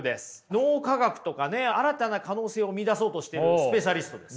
脳科学とかね新たな可能性を見いだそうとしてるスペシャリストです。